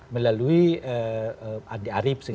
melalui adi arief sih